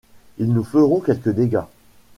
Ils nous feront quelque dégât!